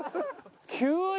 急に。